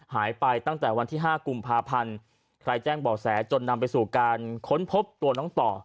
หายไปตั้งแต่วันที่๕กุมภาพันธ์ใครแจ้งบ่อแสจนนำไปสู่การค้นพบตัวน้องต่อ